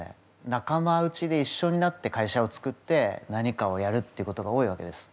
仲間内で一緒になって会社を作って何かをやるっていうことが多いわけです。